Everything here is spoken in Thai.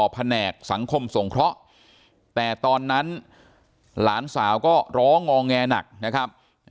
แผนกสังคมสงเคราะห์แต่ตอนนั้นหลานสาวก็ร้องงอแงหนักนะครับ